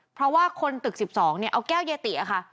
เพราะว่าคนตึก๑๒เนี่ยเอาแก้วเยติอะค่ะ